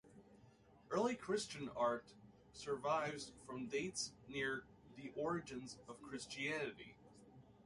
Early Christian art survives from dates near the origins of Christianity.